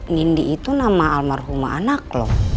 nindi itu nama almarhumah anak lo